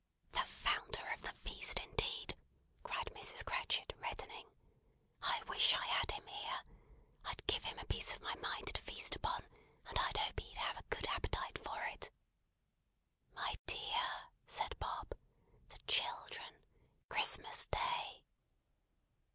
"The Founder of the Feast indeed!" cried Mrs. Cratchit, reddening. "I wish I had him here. I'd give him a piece of my mind to feast upon, and I hope he'd have a good appetite for it." "My dear," said Bob, "the children! Christmas Day."